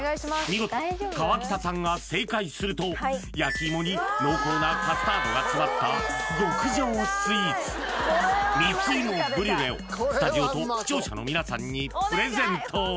見事河北さんが焼き芋に濃厚なカスタードが詰まった極上スイーツ蜜芋ブリュレをスタジオと視聴者の皆さんにプレゼント